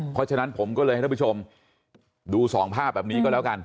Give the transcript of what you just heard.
เพราะฉะนั้นผมก็เลยให้ท่านผู้ชมดูสองภาพแบบนี้ก็แล้วกัน